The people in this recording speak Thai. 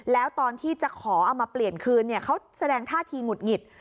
แล้วตอนที่จะขอเอามาเปลี่ยนคืนเขาแสดงท่าทีหงุดหงิด